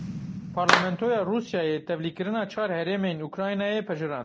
Parlamentoya Rûsyayê tevlîkirina çar herêmên Ukraynayê pejirand.